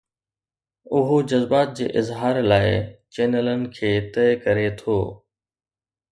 اهو جذبات جي اظهار لاء چينلن کي طئي ڪري ٿو.